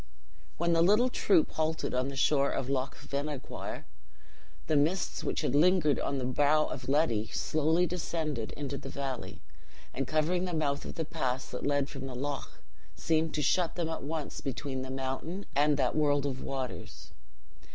When the little troop halted on the shore of Loch Venachoir, the mists which had lingered on the brow of Ledi slowly descended into the valley; and covering the mouth of the pass that led from the loch, seemed to shut them at once between the mountain and that world of waters.